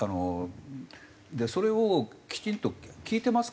それをきちんと聞いてますか？